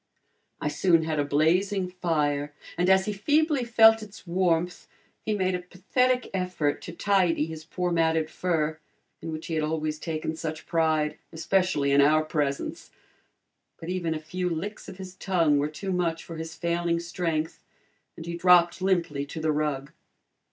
I soon had a blazing fire and as he feebly felt its warmth, he made a pathetic effort to tidy his poor matted fur, in which he had always taken such pride, especially in our presence. But even a few licks of his tongue were too much for his failing strength, and he dropped limply to the rug.